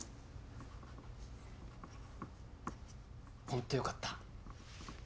本当よかった。